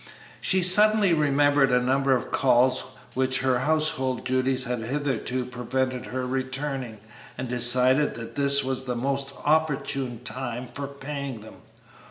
She suddenly remembered a number of calls which her household duties had hitherto prevented her returning, and decided that this was the most opportune time for paying them.